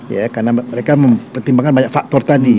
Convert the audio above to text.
ya karena mereka mempertimbangkan banyak faktor tadi